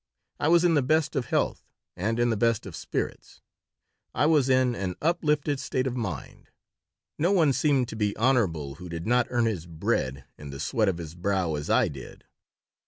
I was in the best of health and in the best of spirits. I was in an uplifted state of mind. No one seemed to be honorable who did not earn his bread in the sweat of his brow as I did.